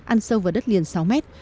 ăn sâu vào đất liền sáu mét